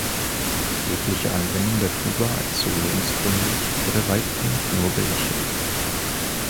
Jegliche Anwendung der Tuba als Solo-Instrument wurde weitgehend nur belächelt.